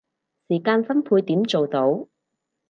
時間分配點做到